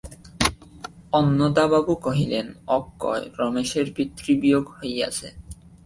অন্নদাবাবু কহিলেন, অক্ষয়, রমেশের পিতৃবিয়োগ হইয়াছে।